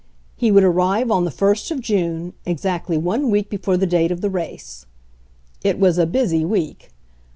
He would arrive on the ist of June, exactly one week before the date of the race. It was a busy week.